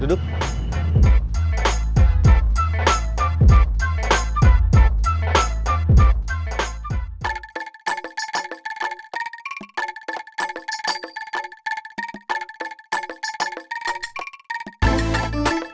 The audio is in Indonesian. jangan sampai sampai